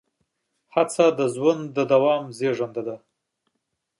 هڅه د ژوند د دوام زېږنده ده.